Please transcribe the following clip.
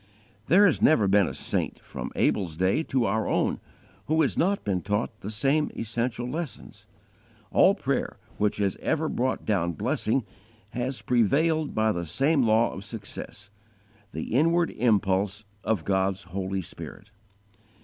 There has never been a saint, from Abel's day to our own, who has not been taught the same essential lessons. All prayer which has ever brought down blessing has prevailed by the same law of success _the inward impulse of God's Holy Spirit.